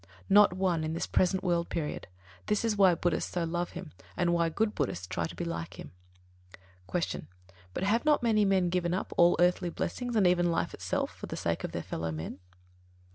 Not one in this present world period: this is why Buddhists so love him, and why good Buddhists try to be like him. 32. Q. _But have not many men given up all earthly blessings, and even life itself, for the sake of their fellow men?